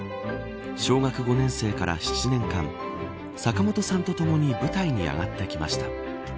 小学５年生から７年間坂本さんと共に舞台に上がってきました。